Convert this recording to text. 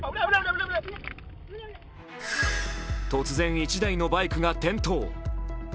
突然１台のバイクが転倒。